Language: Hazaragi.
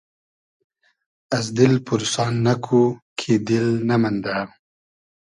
از دیل پورسان نئکو کی دیل نئمئندۂ